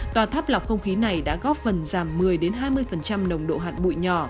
tòa tháp lọc không khí này đã góp phần giảm một mươi hai mươi nồng độ hạt bụi nhỏ